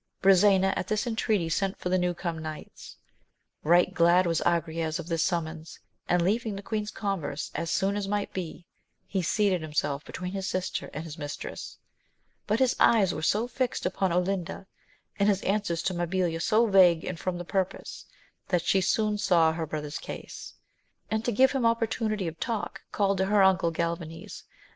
Biisena at this entreaty sent for the new come knights. Eight glad was Agrayes of this summons; and, leaving the queen's converse as soon as might be, he seated himself between his sister and his mistress. But his eyes were so fixed upon Olinda, and his answers to Mabilia so vague and from the purpose, that she soon saw her brother's case ; and, to give him opportunity of talk, called to her uncle Galvanes.